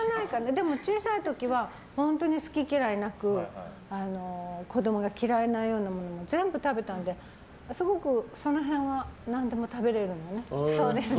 でも小さい時は本当に好き嫌いなく子供が嫌いなようなものも全部食べたんですごく、その辺は何でも食べれるよね。